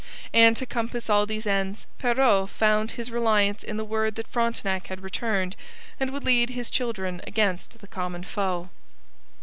And to compass all these ends, Perrot found his reliance in the word that Frontenac had returned and would lead his children against the common foe.